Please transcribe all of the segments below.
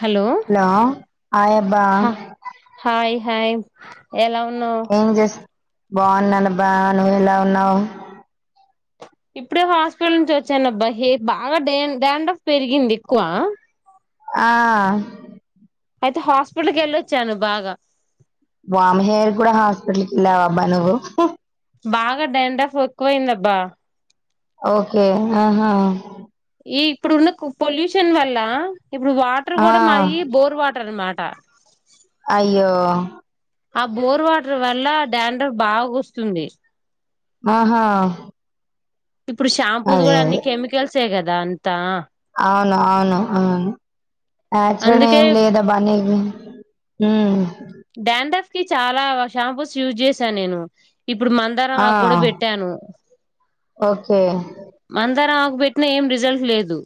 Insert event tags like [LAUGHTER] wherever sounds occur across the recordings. Hello hi అబ్బా hi hi ఎలా ఉన్నావ్ ఏం చేస్త్ బాగున్నాను బా నువ్ ఎలా ఉన్నావు ఇప్పుడే హాస్పిటల్ నుంచి వచ్చాన అబ్బా బాగా డే డాండ్రఫ్ పెరిగింది ఎక్కువ ఆ అయితే హాస్పిటల్కి వెళ్ళొచ్చాను బాగా వామ్మో హెయిర్ కూడా హాస్పిటల్ కెళ్ళావ అబ్బా నువ్వు బాగా డాండ్రఫ్ ఎక్కువయిందిబ్బా ఓకే ఆహా ఈ ఇప్పుడు ఉన్న పొల్యూషన్ వల్ల ఇప్పుడు వాటర్ ఆ కూడా మాది బోర్ వాటర్ అన్మాట క్క అయ్యో ఆ బోర్ వాటర్ వల్ల డాండ్రఫ్ బాగా వస్తుంది ఆహా ఇప్పుడు షాంపూస్ అదే కూడా అదే అన్ని కెమికల్స్ తేగదా అంతా అవును అవును ఆ నాచురల్ అందుకే ఏం లేదా అబ్బా డాండ్రఫ్ చాలా షాంపూస్ యూజ్ చేసాను నేను ఇప్పుడు మందారం ఆ ఆకు కూడా పెట్టాను ఓకే మందారం పెట్టినా ఏం రిజల్ట్ లేదు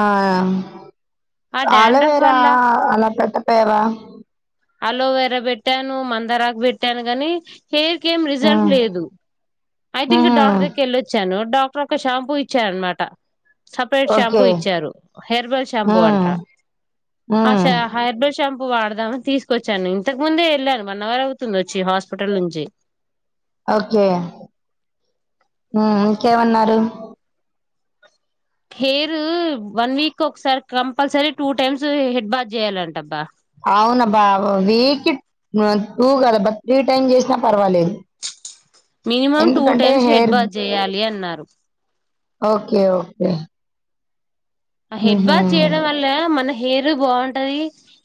ఆ ఆ డాండ్రఫ్ అలవేరా వల్ల అలా పెట్ట పేవా అలోవేరా పెట్టాను మందారకు పెట్టాను కానీ హెయిర్ కేమ్ ఉమ్ రిజల్ట్ లేదు ఐతే ఇక్కడ ఉహు డాక్టర్ వెళ్ళొచ్చాను ను డాక్టర్ ఒక షాంపూ ఇచ్చారు అన్మాట సపరేట్ షాంపూ ఓకే ఇచ్చారు హెయిర్బెల్ షాంపూ అంట ఉమ్ హ్మ్. ఆ హెర్బెల్ షాంపూ వాడదామని తీసుకొచ్చాను ఇంతకు ముందే వెళ్ళాను వన్ అవర్ అవుతుంది వచ్చి హాస్పిటల్ నుంచి ఓకే ఇంకేమన్నారు హెయిర్ వన్ వీక్ ఒకసారి compulsory two times head Bosch చేయాలంటబ్బా అవునాబ్బా వీక్ టూ కదాబ్బా త్రీ టైమ్ చేసినా పర్వాలేదు మినిమం టూ ఎందుకంటే టైమ్స్ హెయిర్ హెడ్బాత్ చేయాలి అన్నారు ఓకే ఓకే హెడ్ హుహు. బాత్ చేయడం వల్ల మన హెరు బాగుంటది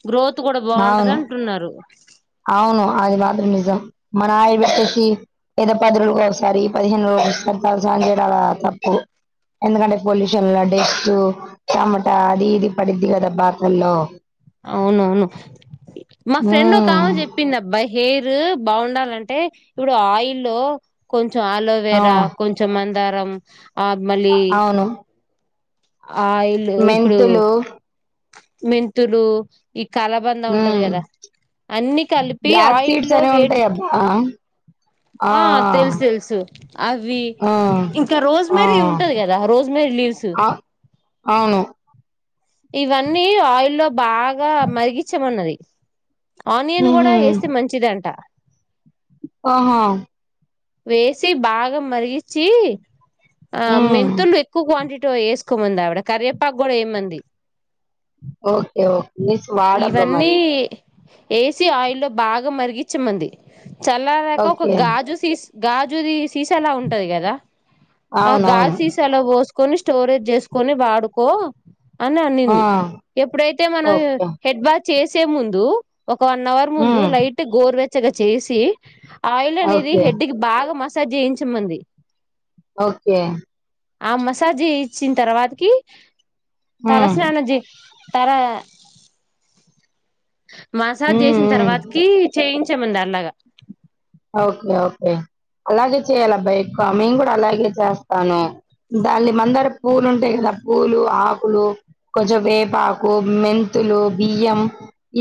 గ్రోత్ కూడా బాగుంటది అవును అంటున్నారు అవును అది మాత్రం నిజాం మన ఆయిలు పెట్టేసి ఏదో పది రోజు ఒకసారి పదిహేను రోజు ఒకసారిసహ చేయాల తప్పు ఎందుకంటే పొల్యూషన్ డెస్ టమటా అది ఇది పడిద్ది కదా బాత్రల్లో అవునవును మా ఫ్రెండ్ ఒక హ్మ్. కామ చెప్పింది అబ్బాయి హే బాగుండాలంటే ఇప్పుడు ఆయిల్లో కొంచ కొంచం ఆ! ఆలోవేరా కొంచెం అ దరం ఆ మళ్ళీ అవును. ఆయిల్ ఇప్పుడు మెంతులు మెమ్ థులు ఈ కలబంద ఉంటది హ్మ్. కదా అన్ని కలిపి బ్లాక్ ఆయి సీడ్స్ లో అనేవి వేట్ ఉంటాయి అబ్బా ఆ తెలుసు తెలుసు అవి ఆ ఇంకా రోజ్ ఆ మరీ ఉంటది కదా రోజ్ మరీ లీవ్స్ ఆ అవును ఇవన్నీ ఆయిల్ లో బాగా మరిగచ్చమన్నది ఆనియన్ ఉహు కూడా వేస్తే మంచిద అంట ఆహా వేసి బాగా మరిగించి ఆ ఉమ్ మెంతులు ఎక్కువ క్వాంటిటీ వేసుకోమంది ఆవిడ కరవేపాకు కూడా ఏమంది ఓకేఓకే నిస్ వాడబ్బ మరి ఏసీ ఆయి లో బాగా మరిగించమంది చల దకా ఒక ఓకే గాజు సస్ గాజురి సీసలా ఉంటది కదా ఆ గాజ అవునవును సీసలో పోసు కొని స్టోరేజ్ చేసుకొని వాడుకో అని ఆ అన్నింది ఎప్పుడైతే మనం ఓకే హెడ్ బాత్ చేసే ముందు ఒక వన్ అవర్ ముందు ఉమ్ లైట్ గోర్ వచ్చ వెచ్చగా చేసి ఆయిల్ అనేది ఓకే హెడ్ మీ బాగా మసాజ్ చేయించమంది ఓకే ఆ మసాజ్ ఇచ్చిన తర్వాతకి తల ఉమ్ స్నానం చేయి తర మసాజ్ ఉమ్ చేసిన ఉమ్ తర్వాతకి చేయి ఇచ్చేమందు దాని లాగా ఓకే ఓకే అలాగే చేయాల అబ్బాయి ఎక్కువ మేము కూడా అలాగే చేస్తాను దాన్ని మందర పూలు ఉంటాయి కదా పూలు ఆకులు కొంచెం వేపాకు మెంతులు బియ్యం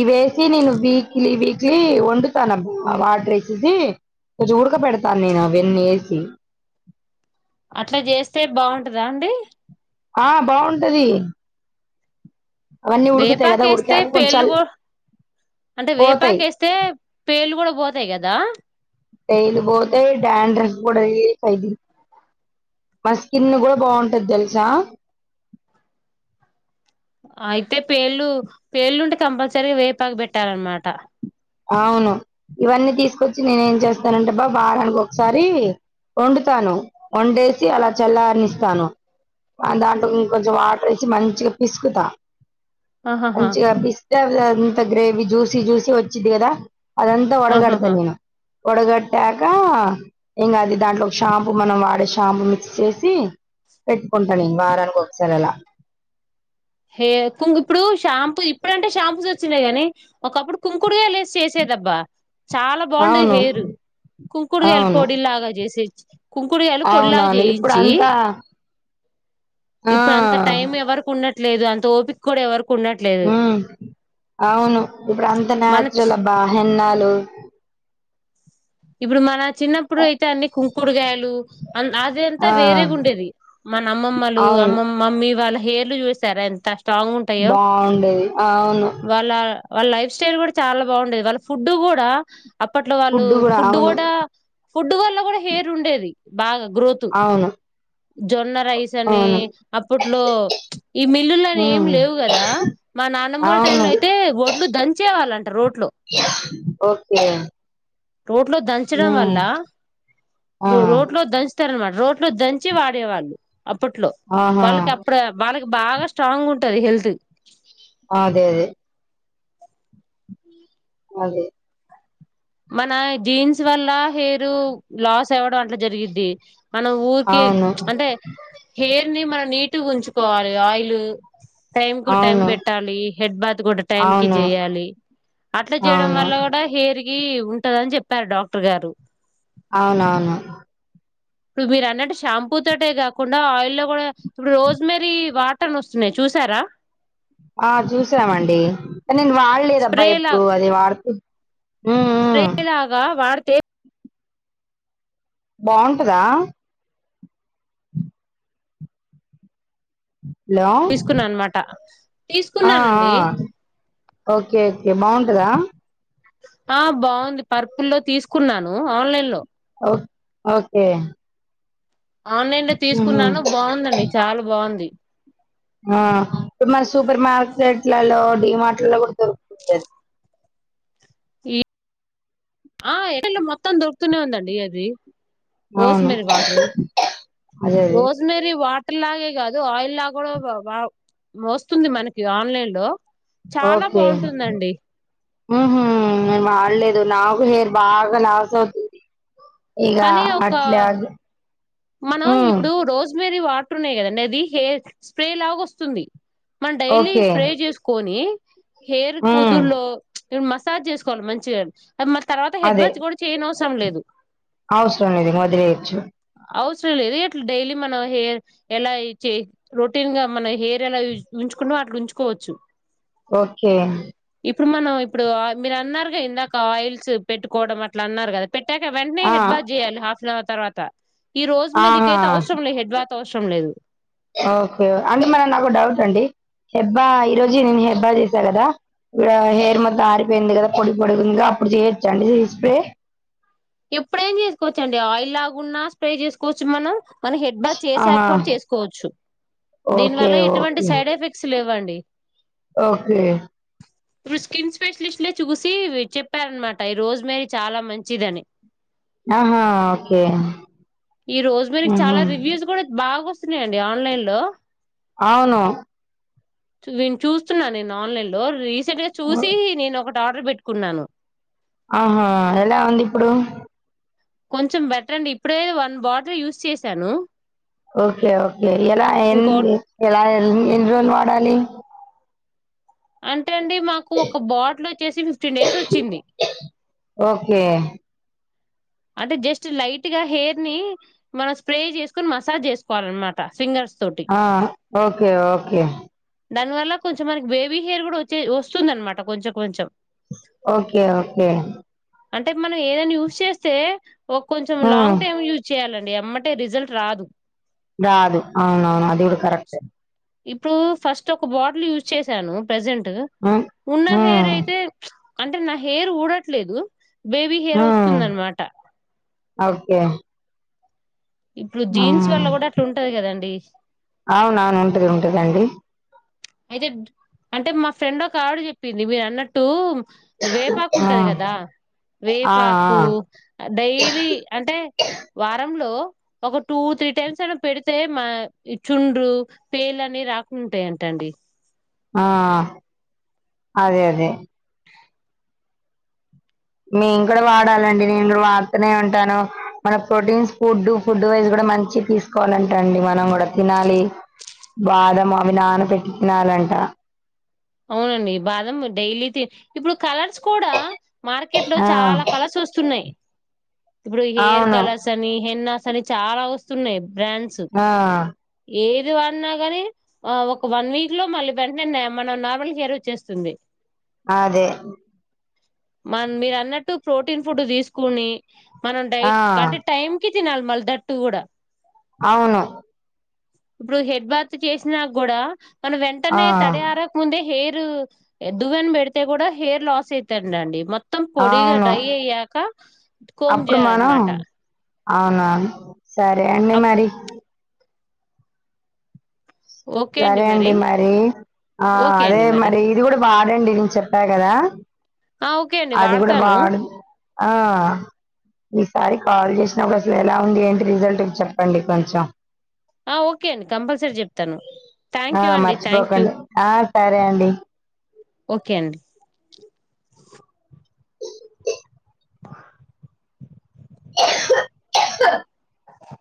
ఇవేసి నేను వీక్లీ వీక్లీ వండుతాను అబ్బా వాటర్ వేసి కొంచెం ఉడక పెడతాను నేను అవన్నీ వేసి అట్లా చేస్తే బాగుంటదా అండి ఆ బాగుంటది వేపాక వేస్తే ఉడికాక కొంచెం పేళ్ళు చల్- కూడా అంటే వేపాక పోతాయి. వేస్తే పెళ్ళు కూడా పోతాయ్ కదా పెళ్ళు పోతాయ్ డాండ్రఫ్ కూడా రిలీఫ్ అయిది మా స్కిన్ కూడా బాగుంటది తెలుసా అయితే పెళ్ళు పె ళ్ళుంటే కంపల్సరీ వేపాకు పెట్టాలన్నమాట అవును ఇవన్నీ తీసుకొచ్చి నేను ఏం చేస్తానంటే బా వారానికి ఒకసారి వండుతాను వండేసి అలా చల్లారణిస్తాను దాంట్లో ఇంకొంచెం వాటర్ వేసి మంచిగా పిసుకుతా ఆహాహా అంచి అఫిస్ అంత గ్రేవి జూసి జూసిచ్చ వచ్చిది కదా అదంతా ఆహాహా ఒడగాడతాను నేను ఒడగట్టాక ఇంకా అది దాంట్లో ఒక షాంపూ మనం వాడే షాంపూ మిక్స్ చేసి పెట్టుకుంటాను వారానికి ఒకసారి అలా హే కుం ఇప్పుడు షాంపూ ఇప్పుడంటే షాంపూస్ వచ్చినాయి గానీ ఒకప్పుడు కుంకుకాయలు లే చేసేదబ్బా చాలా బాగుండది అవును. హెయిరు కుంకుడుకాయల అవును. పొడిలాగా చేసే అవునవును ఇప్పుడు అంతా ఇప్పుడు అంత ఆ! టైం ఎవరికు ఉన్నట్ లేదు అంత ఓపిక కూడా ఎవరు హ్మ్ అవును ఇప్పుడు అంతా మన నేచరల్ అబ హెన్నా లు హలో ఇప్పుడు మన చిన్నప్పుడు అయితే అన్ని కుం కుంకుడుకాయలు అది అంతా ఆ వేరేగా ఉండేది మన అమ్మమ్మలు అవును అమ్మమ్ మమ్మీ వాళ్ళ హెయిర్ లు చూపిస్తారా ఎంత స్ట్రాంగ్ ఉంటాయో బాగుండేది అవును వాళ్ళ వాళ్ళ లైఫ్ స్టైల్ కూడా చాలా బాగుండేది వాళ్ళ ఫుడ్ కూడా అప్పట్లో వాళ్ళు ఫుడ్ కూడా ఫుడ్ వాళ్ళ కూడా హెయిర్ ఉండేది బాగా గ్రోత్ అవును జొన్న రైస్ అని అవును అప్పట్లో ఈ మిల్లులని ఉమ్ ఏమి లేవు కదా మా నాన్నమ్మ వాళ్ళ అవును టైంలో అయితే ఒొడ్లు దంచేవాలంట రోడ్ ఓకే రోడ్ లో దంచడం ఉమ్ వల్ల ఆ రోడ్ లో దంచ [INAUDIBLE] రోడ్ దంచి వాడేవాళ్ళు అప్పట్లో ఆహా వాళ్ళకి అప్పుడే వాడ బాగా స్ట్రాంగ్ ఉంటది హెల్త్ అదే అదే వాళ్లే మన జీన్స్ వల్ల హెయిరు లాస్ అవ్వడం అట్లా జరిగిద్ది మనం ఊరికే ఇచ్ అవును అంటే హెయిర్ ని మనం నీటుగా ఉంచుకోవాలి ఆయిలు టైమ్ కు టైమ్ అవును పెట్టాలి హెడ్ బాత్ కూడా టైమ్ కి అవును చేయాలి అట్లా చేయడం అవును వల్ల కూడా హెయిర్ ఎ కి ఉంటదని చెప్పారు డాక్టర్ గారు అవునవును ఇప్పుడు మీరు అన్నట్టు షాంపూ తోటే కాకుండా ఆయిల్ లో కూడా ఇప్పుడు రోజ్ మెర్రీ వాటర్ ను వస్తున్నాయి చూసారా ఆ చూసామండి నేను వాడలేదబ్బా స్ప్రే ఎప్పుడు లాగా అది వాడుతు స్ప్రే లాగా వాడితే బాగుంటదా హలో తీసుకున్నా అనమాట ఆ తీసుకున్నానండి ఆ ఓకే ఓకే బాగుం కదా ఆ బాగుంది పర్పుల్లో తీసుకున్నాను ఆన్లైన్ లో ఒ ఓకే ఆన్లైన్ లో ఉహు తీసుకున్నాను బాగవుందండి చాలా బావుంది ఆ ఎ మస్ సూపర్ మార్కెట్లలో డి మార్ట్ లలో కూడా దొరుకుతుందది ఈ ఆ ఎ ల్లు మొత్తం దొరుకుతూనే ఉందండి అది అవును రోజ్మెరీ వాటర్ అదే అదే ర్ లాగే కాదు ఆయిల్ లా కూడా బా బా వస్తుంది మనకి ఆన్లైన్ లో చాన ఓకే బావుంటుందండి ఉహు నేను వాడలేదు నాకు హెయిర్ బాగా లాస్ అవుతుంది ఇగా కానీ ఒక అట్లే ఆగు మనం ఇప్పుడు రోస్ మెర్రి వాటర్ ఉన్నాయి కదండి అది హెయిర్ స్ప్రే లాగా వస్తుంది మన డైలీ ఓకే స్ప్రే చేస్కొని హేర్ ఉమ్ కుదుల్లో ఈడ మసాజ్ చేసుకోవాలి మంచిగా ఆ మళ్ళ తర్వాత హెడ్ అదే బాత్ కూడా చేయనవస్ సం లేదు అవసరం లేదు ఇంగ వదిలేయచ్చు అవసరం లేదు ఇట్ల డైలీ మన హెయిర్ ఎలా ఇచ్చి రొటీన్ గా మన హెయిర్ ఎలా ఉజ్ ఉంచుకున్నో అట్లా ఉంచుకోవచ్చు ఓకే ఇప్పుడు మనం ఇప్పుడు మీరు అన్నారుగా ఇందాక ఆయిల్స్ పెట్టుకోవడం అట్లా అన్నారు కదా పెట్టాక వెంటనే ఆ హెడ్ బాత్ జెయాలి హల్ఫ్నావ్ తర్వాత ఈ రోజు మేడికైతే ఆహా అవసరం లే హెడ్ బా అవశ్రం లేదు ఓకే అంటే మన నాకు ఓ డౌట్ అండి హెబ్బా ఈరోజు నేను హెబ్బా చేసా కదా ఇగ హెయిర్ మొత్తం ఆరిపోయింది కదా పొడి పొడికుందిగా అప్పుడు చేయచ్చండి స్ప్రే ఎప్పుడైనా చేసుకోవచ్చ అండి ఆయిల్ లాగున్నా స్ప్రే చేసుకోవచ్చు మనం మనం హెడ్ బాత్ ఆహా చేసాక్ కూడా చేసుకోవచ్చు దీని ఓకే వల్ల ఎటువంటి ఓకే సైడ్ ఎఫెక్ట్స్ లేవండి బ ఓకే ఇప్పుడు స్కిన్ స్పెషలిస్ట్లే చూసి చెప్పారనమాట ఈ రోజు మేరీ చాలా మంచిదని ఆహా ఓకే ఈ రోజ్మేరీ ఉహు. చాలా రివ్యూస్ కూడా బాగా వస్తు వన్నాయండి ఆన్లైన్ లో అవును చువి చూస్తున్నా నేను ఆన్లైన్ లో రీ గా చూసి నేను ఒ ఆర్డర్ పెట్టుకున్నాను ఆహా ఎలా ఉంది ఇప్పుడు కొంచెం బెటర్ అండి ఇప్పుడే వన్ బాటల్ యూజ్ చేశాను ఓకే ఓకే ఎలా ఎ ఇంకో ఎలా ఎన్ ఎన్ని రోజులు వాడాలి ఆ అంటేండీ మాకు ఒక బాటిల్ వచ్చేసి ఫిఫ్టీన్ డేస్ వచ్చింది ఓకే అంటే జస్ట్ లైట్ గా హెయిర్ ని మనం స్ప్రే చేసుకొని మసాజ్ చేసుకోవాలిన్నమాట ఫింగర్ ఆ ఓకే ఓకే దాని వల్ల కొంచెం మనకి బేబీ హెయిర్ కూడా వచ్చే వస్తుంది అనమాట కొంచెం కొంచెం ఓకే ఓకే అంటే మనం ఏదైనా టె ఒక్ కొంచెం ఉమ్, లాంగ్ టైమ్ యూజ్ చేయాలన్ అండి ఏమ్మటే రిజల్ట్ రాదు రాదు అవునవును అది కూడా కరెక్టే ఇప్పుడు ఫస్ట్ ఒక బాటిల్ యూజ్ చేసాను ప్రజెంట్ ఉమ్ ఉన్న హెయిర్ ఉమ్ అయితే అంటే నా హెయిర్ ఊడట్లేదు బేబీ హెయిర్ వస్తుంద అన్మాట ఒకే ఇప్పుడు జీన్స్ వల్ల కూడా అట్లా ఉంటది కదండి అవున అవును ఉంటది ఉంటదండి అయితే అంటే మా ఫ్రెండ్ ఒక ఆవిడ చెప్పింది మీరు అన్నట్టు వేపాకు ఆ ఉంటది కదా ఆ వేపాకు డైలీ అంటే వారంలో ఒక టూ త్రీ టైమ్స్ అయినా పెడితే మా చుండ్రు పేల అన్ని రాకుండ ఉంటాయటండి ఆ అదే అదే మేము కూడా వాడాలండి నేను కూడా వాడుతూనే ఉంటాను మన ప్రోటీన్స్ ఫుడ్ ఫుడ్ వైస్ కూడా మంచి తీసుకోవాలంటా అండి మనం కూడా తినాలి బాదం అవి నాన పెట్టి తినాలంట అవునండి బాదం డైలీ ఇప్పుడు కలర్స్ కూడా మార్కెట్ లో ఆ చాలా కలశ వస్తున్నాయి ఇప్పుడు హేర్ అవును కలర్స్ అని హేన్న అని చాలా వస్తున్నాయ్ ఆ ఏది వన్నాగాని ఒక వన్ వీక్ లో మళ్ళీ వెంటనే మనం నా [UNINTELLIGIBLE] హేర్ వచ్చేస్తుంది అదే మ మీరు అన్నట్టు ప్రోటీన్ ఫుడ్ తీసుకొని మనం ఆ డైట్ అంటే టైం కి తినాల్ దట్ కూడా అవును ఇప్పుడు హెడ్ బాత్ చేసినాక కూడా మన ఆ వెంటనే తడి ఆర హెయిర్ దువ్వెన పెడితే కూడా హెయిర్ లాస్ అవుతండి మొ మొత్తం పొడిగా అవును డ్రై అయ్యాక కోమ్ చేయాలనమాట అవునను సరే అండి మరి సరే అండి మరి ఆ ఓకే అదే అండి మరి ఇది కూడా వాడండి నేను చెప్పా కదా ఆ ఓకే అండి అది కూడా వాడతాను వాడు ఆ ఈసారి కాల్ చేసినా ఒక అసలు ఎలా ఉంది ఏంటి రిజల్ట్ చెప్పండి కొంచెం ఆ ఓకే అండి కంపల్సరీ చెప్తాను ఆ థ్యాంక్ యూ అండి మర్చిపోకండి ఆ సరే అండి ఒకే అండి